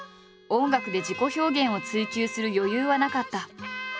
音楽で自己表現を追求する余裕はなかった。